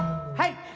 はい！